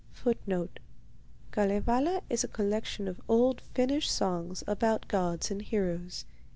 [FN#2: Kalevala is a collection of old Finnish songs about gods and heroes.